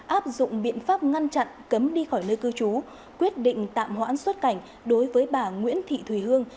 áp dụng biện pháp ngăn chặn cấm đi khỏi nơi cư trú quyết định tạm hoãn xuất cảnh đối với bà nguyễn thị thùy hương